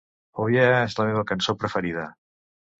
Oh Yeah és la meva cançó preferida.